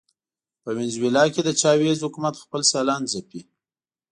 په وینزویلا کې د چاوېز حکومت خپل سیالان ځپي.